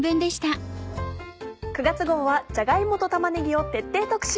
９月号はじゃが芋と玉ねぎを徹底特集。